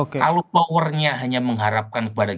kalau powernya hanya mengharapkan kepada